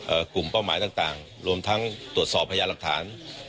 กลุ่มเป้าหมายต่างต่างรวมทั้งตรวจสอบพยานหลักฐาน